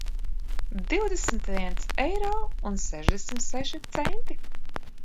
Divdesmit viens eiro un sešdesmit seši centi